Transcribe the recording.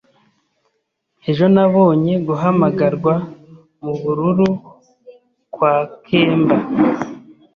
Ejo, nabonye guhamagarwa mubururu kwa kemba.